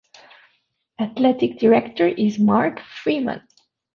Athletic Director is Mark Freeman.